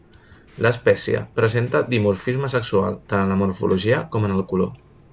L'espècie presenta dimorfisme sexual tant en la morfologia com en el color.